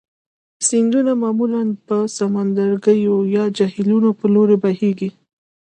سیندونه معمولا د سمندرګیو یا جهیلونو په لوري بهیږي.